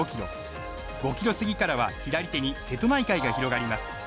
５ｋｍ過ぎからは左手に瀬戸内海が広がります。